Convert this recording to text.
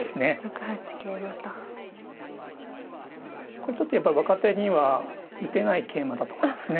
これちょっとやっぱり若手には打てない桂馬だと思いますね。